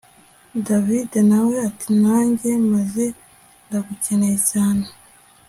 davide nawe ati nanjye maze ndagukeneye cyane